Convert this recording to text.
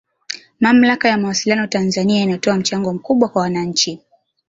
Mamlaka ya Mawasiliano Tanzania inatoa mchango mkubwa kwa wananchi